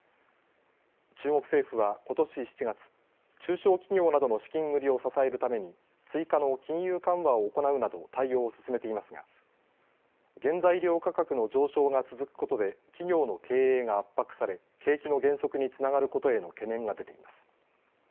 中国政府はことし７月、中小企業などの資金繰りを支えるために追加の金融緩和を行うなど対応を進めていますが原材料価格の上昇が続くことで企業の経営が圧迫され景気の減速につながることへの懸念が出ています。